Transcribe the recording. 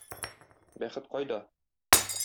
Бәхет кайда?